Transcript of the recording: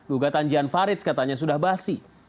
gugatan jan farid katanya sudah basi